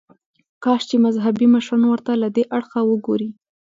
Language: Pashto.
کاش چې مذهبي مشران ورته له دې اړخه وګوري.